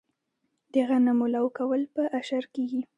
د غنمو لو کول په اشر کیږي.